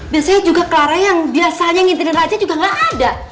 biasanya juga clara yang biasanya ngintirin raja juga gak ada